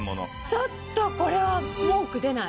ちょっとこれは文句出ない。